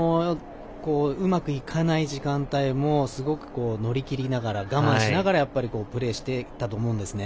うまくいかない時間帯もすごく乗り切りながら我慢しながらプレーしてたと思うんですね。